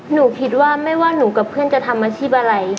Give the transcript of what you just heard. หนูคิดว่าไม่ว่าหนูกับเพื่อนจะทำอาชีพอะไร